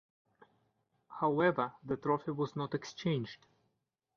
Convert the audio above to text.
However, the trophy was not exchanged.